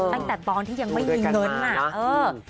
ตั้งแต่บองที่ยังไม่มีเงินดูด้วยกันมานะ